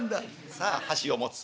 さあ箸を持つ。